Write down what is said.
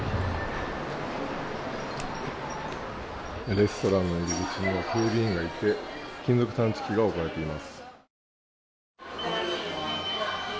レストランの入り口には警備員がいて金属探知機が置かれています。